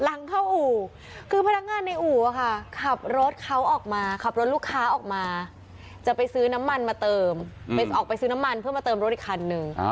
หลังเข้าอู่คือพนักงานในอู่ขับรถเขาออกมาขับรถลูกค้าออกมาจะไปซื้อน้ำมันมาเติมออกไปซื้อน้ำมันเพื่อมาเติมรถอีกคันนึง